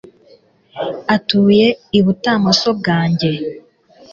atuye ibutamoso bwange